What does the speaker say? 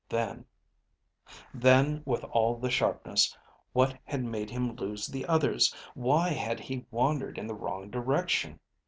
Then ... Then with all the sharpness, what had made him lose the others? Why had he wandered in the wrong direction?